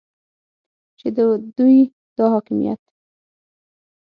چې د دوی دا حاکمیت